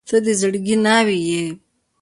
• ته د زړګي ناوې یې.